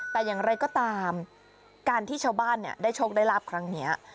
แต่อย่างไรก็ตามการที่ชาวบ้านได้โชคได้ลาบครั้งนี้